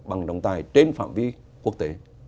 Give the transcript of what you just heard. bằng trọng tài trên phạm vi quốc tế